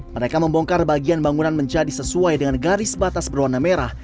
mereka membongkar bagian bangunan menjadi sesuai dengan garis batas berwarna merah